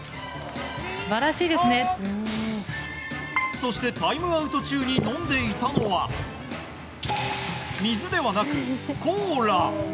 そしてタイムアウト中に飲んでいたのは水ではなくコーラ。